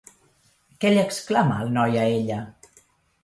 Què li exclama el noi a ella?